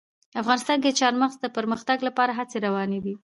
افغانستان کې د چار مغز د پرمختګ لپاره هڅې روانې دي.